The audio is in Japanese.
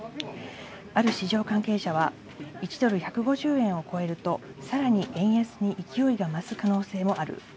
ある市場関係者は１ドル＝１５０円を超えると、さらに円安に勢いが増す可能性もある。